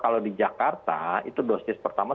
kalau di jakarta itu dosis pertama